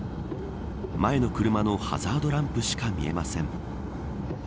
前の車のハザードランプしか見えません。